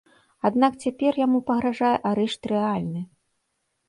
Аднак цяпер яму пагражае арышт рэальны.